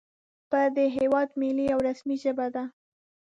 په د هېواد ملي او رسمي ژبه ده